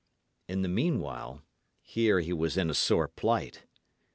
In the meanwhile, here he was in a sore plight.